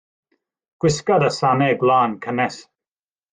Gwisga dy sanau gwlân cynnes.